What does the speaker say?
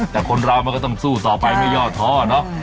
แต่คนเรามันก็ต้องสู้ต่อไปไม่ย่อท้อเนอะ